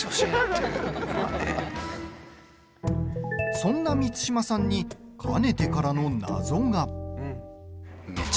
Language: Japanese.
そんな満島さんにかねてからの謎が。